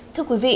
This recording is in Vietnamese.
thưa quý vị